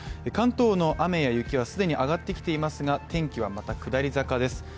関東の雨や雪は既に上がってきていますが天気はまた下り坂です。